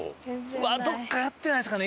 うわっどこかやってないですかね？